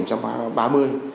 trăm ba mươi